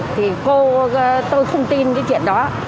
thì cô tôi không tin cái chuyện đó